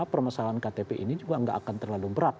permasalahan ktp ini juga nggak akan terlalu berat